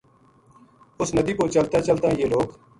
اس ندی پو چلتاں چلتاں یہ لوک